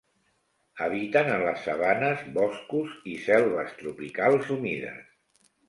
Habiten en les sabanes, boscos i selves tropicals humides.